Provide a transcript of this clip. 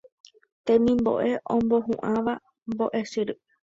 temimbo'e omohu'ãva mbo'esyry